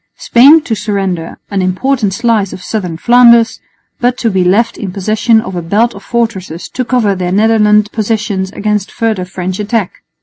Spain to surrender an important slice of southern Flanders, but to be left in possession of a belt of fortresses to cover their Netherland possessions against further French attack.